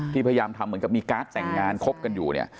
พยายามทำเหมือนกับมีการ์ดแต่งงานคบกันอยู่เนี่ย